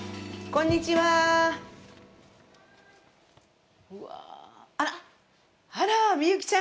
こんにちは。